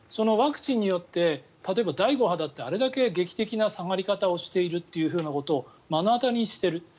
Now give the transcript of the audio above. ワクチンによって例えば第５波だってあれだけ劇的な下がり方をしているというふうなことを目の当たりにしている。